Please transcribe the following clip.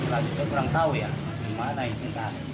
lagi lagi kurang tahu ya gimana ini